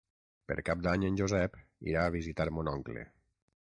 Per Cap d'Any en Josep irà a visitar mon oncle.